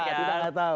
tidak ada tahu